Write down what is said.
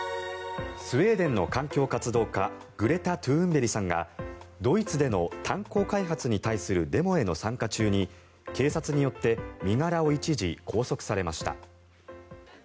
スウェーデンの環境活動家グレタ・トゥーンベリさんがドイツでの炭鉱開発に対するデモへの参加中に警察によって身柄を一時、拘束されました。